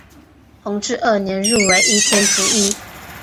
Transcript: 弘治二年入为顺天府尹。